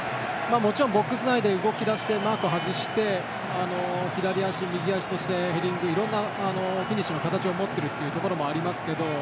もちろんボックス内で動き出してマークを外して左足、右足、そしてヘディングいろいろなフィニッシュの形を持っているということもあります。